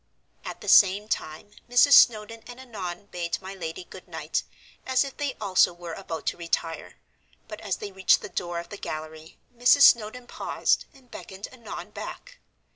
At the same time Mrs. Snowdon and Annon bade my lady good night, as if they also were about to retire, but as they reached the door of the gallery Mrs. Snowdon paused and beckoned Annon back.